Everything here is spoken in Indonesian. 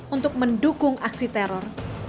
untuk mendukung aksi teror